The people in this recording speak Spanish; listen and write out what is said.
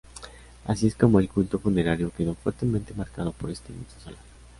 Así es como el culto funerario quedó fuertemente marcado por este mito solar.